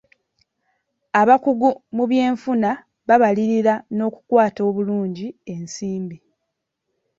Abakugu mu byenfuna babalirira n'okukwata obulungi ensimbi.